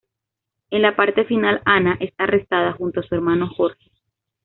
En la parte final Ana es arrestada junto a su hermano Jorge.